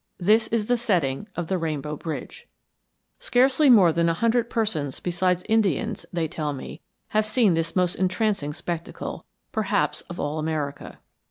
This is the setting of the Rainbow Bridge. Scarcely more than a hundred persons besides Indians, they tell me, have seen this most entrancing spectacle, perhaps, of all America.